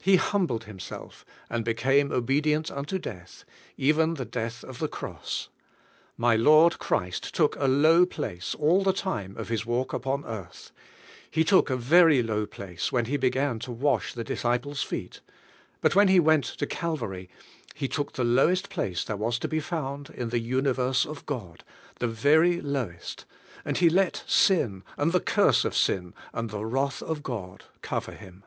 "He humbled Himself, and became obedient unto death, even the death of the cross." My Lord Christ took a low place all the time of His walk upon earth; He took a very low place when He began to wash the dis ciples' feet; but when He went to Calvary, He took the lowest place there was to be found in the universe of God, the very lowest, and He let sin, and the curse of sin, and the wrath of God, cover Him.